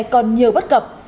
còn nhiều bất cập